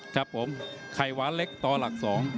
ครับผมไข่หวานเล็กต่อหลัก๒